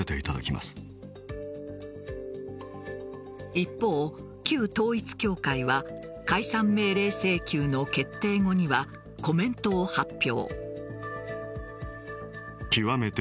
一方、旧統一教会は解散命令請求の決定後にはコメントを発表。